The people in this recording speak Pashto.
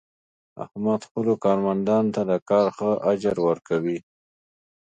احمد خپلو کارمندانو ته د کار ښه اجر ور کوي.